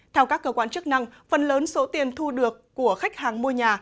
theo các cơ quan chức năng phần lớn số tiền thu được của khách hàng mua nhà